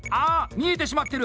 見えてしまってる！